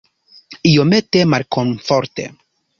Iomete malkomforte.